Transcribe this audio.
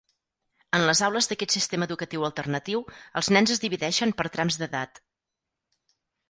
En les aules d'aquest sistema educatiu alternatiu els nens es divideixen per trams d'edat.